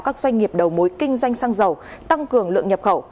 các doanh nghiệp đầu mối kinh doanh xăng dầu tăng cường lượng nhập khẩu